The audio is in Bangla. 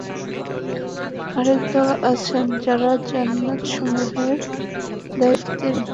আরেক দল আছেন যাঁরা জান্নাতসমূহের দায়িত্বে রয়েছেন।